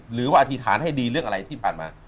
หรือว่าอธิษฐานให้ดีเรื่องอะไรที่ปราณมา